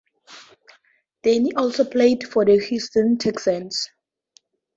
Denney also played for the Houston Texans.